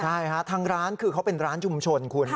ใช่ฮะทางร้านคือเขาเป็นร้านชุมชนคุณ